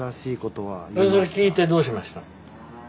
それ聞いてどうしました？